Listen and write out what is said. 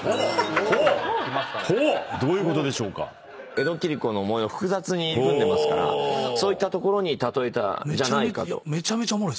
江戸切子の模様複雑に入り組んでますからそういったところに例えたんじゃないかと。